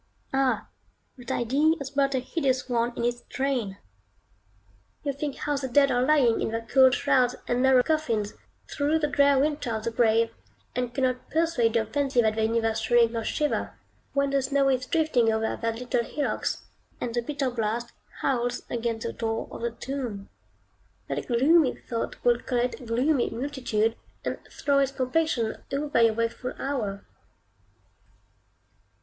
Ah! that idea has brought a hideous one in its train. You think how the dead are lying in their cold shrouds and narrow coffins, through the drear winter of the grave, and cannot persuade your fancy that they neither shrink nor shiver, when the snow is drifting over their little hillocks, and the bitter blast howls against the door of the tomb. That gloomy thought will collect a gloomy multitude, and throw its complexion over your wakeful hour.